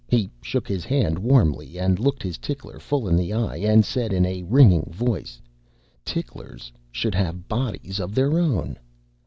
He shook his hand warmly and looked his tickler full in the eye and said in a ringing voice, "Ticklers should have bodies of their own!"